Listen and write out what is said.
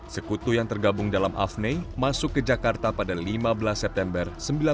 sekutu yang tergabung dalam afne masuk ke jakarta pada lima belas september seribu sembilan ratus empat puluh